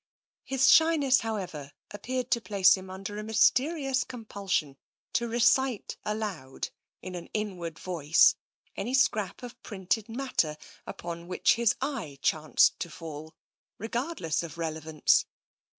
His shyness, however, ap peared to place him under a mysterious compulsion to recite aloud, in an inward voice, any scrap of printed TENSION 57 matter upon which his eye chanced to fall, regardless of relevance.